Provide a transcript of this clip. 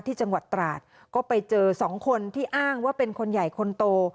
ที่จังหวัดตราดก็ไปเจอสองคนที่อ้างว่าเป็นคนใหญ่คนโต